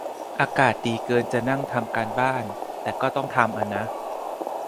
อากาศดีเกินจะนั่งทำการบ้าน แต่ก็ต้องทำอ่ะนะ